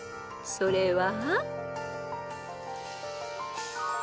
［それは］